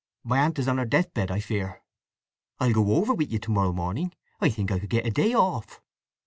My aunt is on her deathbed, I fear." "I'll go over with you to morrow morning. I think I could get a day off."